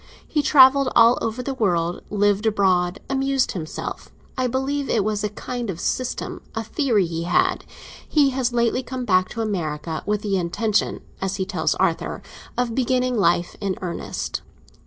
He travelled all over the world, lived abroad, amused himself. I believe it was a kind of system, a theory he had. He has lately come back to America, with the intention, as he tells Arthur, of beginning life in earnest."